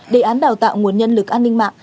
đề án đào tạo nguồn nhân lực an ninh mạng